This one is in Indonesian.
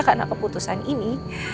karena keputusan ini